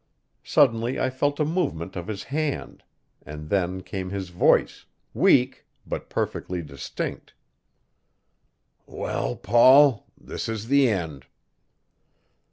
Suddenly I felt a movement of his hand; and then came his voice, weak but perfectly distinct: "Well, Paul, this is the end."